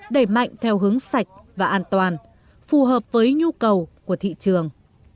đẩy mạnh theo hướng sạch và an toàn phù hợp với nhu cầu của thị trường